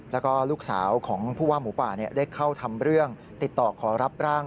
แล้วก็ลูกสาวของผู้ว่าหมูป่าได้เข้าทำเรื่องติดต่อขอรับร่าง